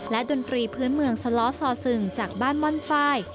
ดนตรีพื้นเมืองสล้อซอซึงจากบ้านม่อนไฟล์